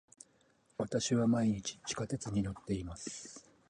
私は毎日地下鉄に乗っています。